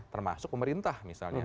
termasuk pemerintah misalnya